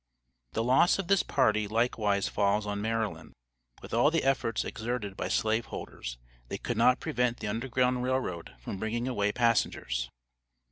The loss of this party likewise falls on Maryland. With all the efforts exerted by slave holders, they could not prevent the Underground Rail Road from bringing away passengers.